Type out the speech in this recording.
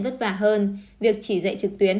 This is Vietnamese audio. vất vả hơn việc chỉ dạy trực tuyến